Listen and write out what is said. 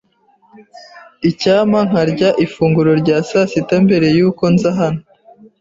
Icyampa nkarya ifunguro rya sasita mbere yuko nza hano.